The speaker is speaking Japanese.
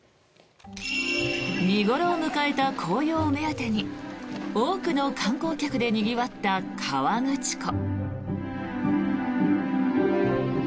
見頃を迎えた紅葉を目当てに多くの観光客でにぎわった河口湖。